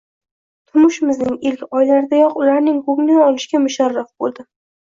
Turmushimizning ilk oylaridayoq ularning ko‘nglini olishga musharraf bo‘ldim